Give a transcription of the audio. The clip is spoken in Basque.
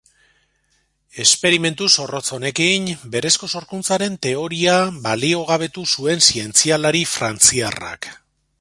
Esperimentu zorrotz honekin berezko sorkuntzaren teoria baliogabetu zuen zientzialari frantziarrak.